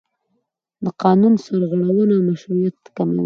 د قانون سرغړونه مشروعیت کموي